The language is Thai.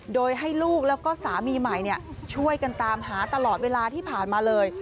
โดยให้ลูกแล้วก็สามีใหม่ช่วยกันตามหาตลอดเวลาที่ผ่านมาเลย